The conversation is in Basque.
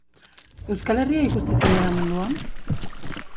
Euskal Herria ikusezina da munduan?